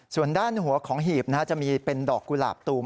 ส่วนด้านหัวของหีบจะมีเป็นดอกกุหลาบตูม